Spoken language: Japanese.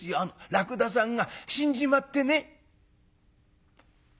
らくださんが死んじまってね」。